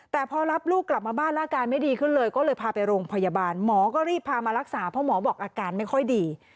แต่พอรับลูกกลับมาบ้านอาการไม่ดีขึ้นเลยก็เลยพาไปโรงพยาบาลหมอก็รีบพามารักษาเพราะหมอบอกอาการไม่ค่อยดี